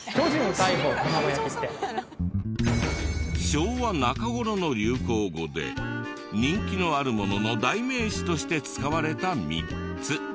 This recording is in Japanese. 昭和中頃の流行語で人気のあるものの代名詞として使われた３つ。